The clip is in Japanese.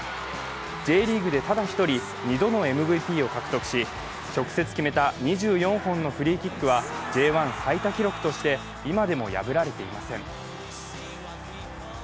Ｊリーグでただ一人２度のＭＶＰを獲得し直接決めた２４本のフリーキックはＪ１最多記録として、今でも破られていません。